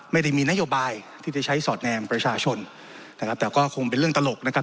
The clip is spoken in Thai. ไม่ได้มีนโยบายที่จะใช้สอดแนมประชาชนนะครับแต่ก็คงเป็นเรื่องตลกนะครับ